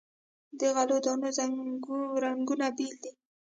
د غلو دانو رنګونه بیل دي.